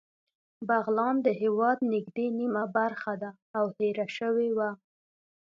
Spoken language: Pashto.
بغلان د هېواد نږدې نیمه برخه ده او هېره شوې وه